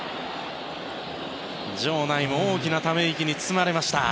場内も大きなため息に包まれました。